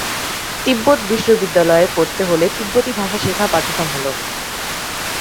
তিব্বত বিশ্ববিদ্যালয়ে পড়তে হলে তিব্বতি ভাষা শেখা বাধ্যতামূলক।